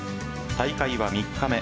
大会は３日目。